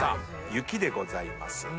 雪でございます。